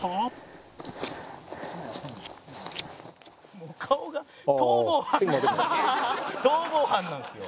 「もう顔が逃亡犯逃亡犯なんですよ」